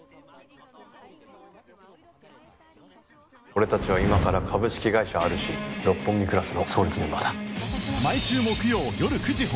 俺たちは今から株式会社ＲＣ六本木クラスの創立メンバーだ。